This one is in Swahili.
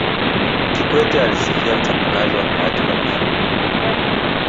Kikwete alisifia uchapakazi wa Hayati Magufuli